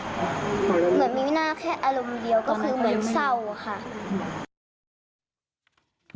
เหมือนมีวินาคแค่อารมณ์เดียวก็คือเหมือนเศร้าค่ะ